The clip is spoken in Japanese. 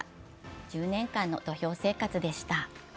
１０年間の土俵生活でした。